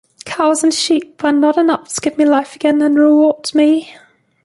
Cows and sheep are not enough to give me life again and reward me!